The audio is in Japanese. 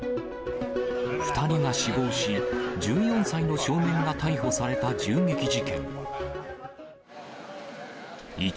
２人が死亡し、１４歳の少年が逮捕された銃撃事件。